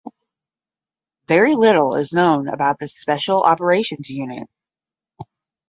Very little is known about this special operations unit.